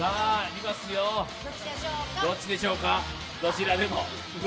どっちでしょうか、どちらでも。